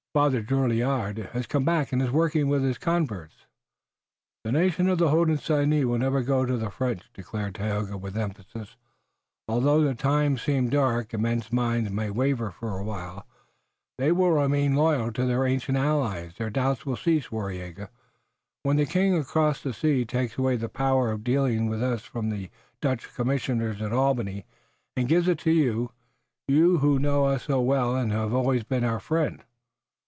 Father Drouillard has come back and is working with his converts." "The nations of the Hodenosaunee will never go with the French," declared Tayoga with emphasis. "Although the times seem dark, and men's minds may waver for a while, they will remain loyal to their ancient allies. Their doubts will cease, Waraiyageh, when the king across the sea takes away the power of dealing with us from the Dutch commissioners at Albany, and gives it to you, you who know us so well and who have always been our friend."